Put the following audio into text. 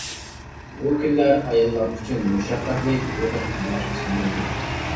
بۇ كۈنلەر ئاياللار ئۈچۈن مۇشەققەتلىك، ئېغىر كۈنلەر سانىلىدۇ.